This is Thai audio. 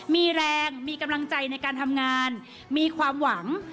มีแรงมีกำลังใจในการทำงานมีความหวัง